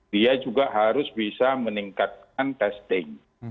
dia juga harus bisa meningkatkan testing